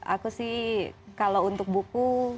aku sih kalau untuk buku